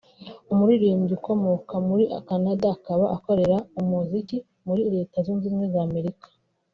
umuririmbyi ukomoka muri Canada akaba akorera muzika muri Leta Zunze Ubumwe za Amerika